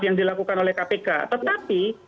yang dilakukan oleh kpk tetapi